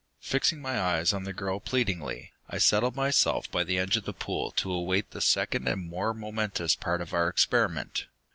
Fixing my eyes on the girl pleadingly, I settled myself by the edge of the pool to await the second and more momentous part of our experiment.